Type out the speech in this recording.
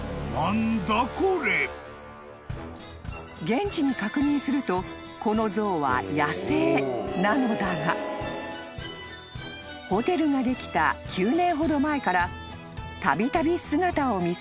［現地に確認するとこの象は野生なのだがホテルができた９年ほど前からたびたび姿を見せるようになり］